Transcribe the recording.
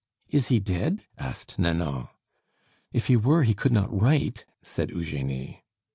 "Is he dead?" asked Nanon. "If he were, he could not write," said Eugenie.